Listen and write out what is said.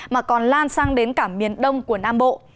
mà còn lan sang đến cả miền đông của nam bộ